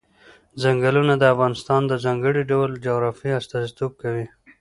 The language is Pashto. ځنګلونه د افغانستان د ځانګړي ډول جغرافیه استازیتوب کوي.